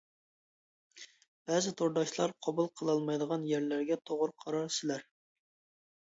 بەزى تورداشلار قوبۇل قىلالمايدىغان يەرلەرگە توغرا قارار سىلەر.